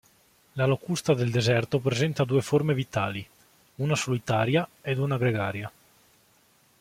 La locusta del deserto presenta due forme vitali: una solitaria ed una gregaria.